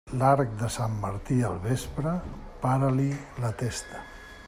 L'arc de Sant Martí al vespre, para-li la testa.